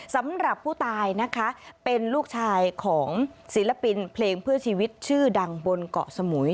สำหรับผู้ตายนะคะเป็นลูกชายของศิลปินเพลงเพื่อชีวิตชื่อดังบนเกาะสมุย